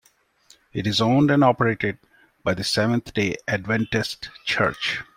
It is owned and operated by the Seventh-day Adventist Church.